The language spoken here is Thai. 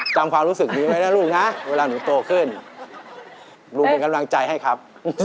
ความรู้สึกดีไหมนะลูกนะเวลาหนูโตขึ้นลุงเป็นกำลังใจให้ครับ